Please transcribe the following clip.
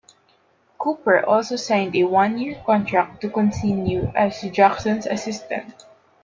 Cooper also signed a one-year contract to continue as Jackson's assistant.